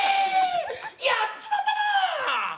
やっちまったなぁ！！